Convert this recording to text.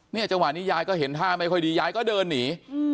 จังหวะนี้ยายก็เห็นท่าไม่ค่อยดียายก็เดินหนี